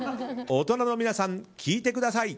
大人の皆さん聞いてください！